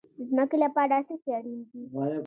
د ځمکې لپاره څه شی اړین دي؟